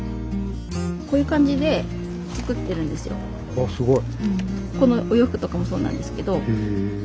あっすごい。